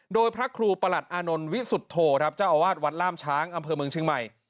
โดยพระครูประหลัดอานนท์วิสุทธโธครับเจ้าอาวาสวัดล่ามช้างอำเภอเมืองเชียงใหม่